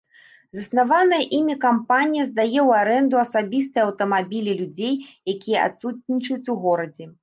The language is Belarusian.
Заснаваная імі кампанія здае ў арэнду асабістыя аўтамабілі людзей, якія адсутнічаюць у горадзе.